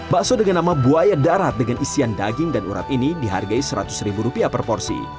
bakso dengan nama buaya darat dengan isian daging dan urat ini dihargai rp seratus per porsi